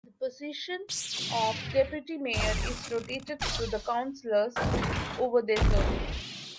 The position of deputy mayor is rotated through the councillors over their term.